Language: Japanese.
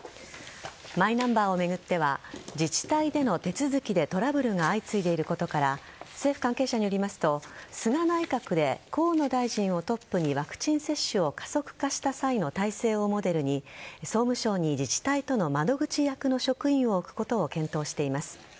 マイナンバーを巡っては自治体での手続きでトラブルが相次いでいることから政府関係者によりますと菅内閣で河野大臣をトップにワクチン接種を加速化した際の体制をモデルに総務省に自治体との窓口役の職員を置くことを検討しています。